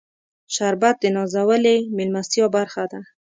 شربت د نازولې میلمستیا برخه ده